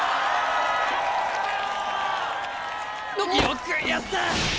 よくやった！